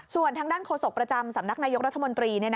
ส่วนทางด้านโฆษกประจำสำนักนายกรัฐมนตรี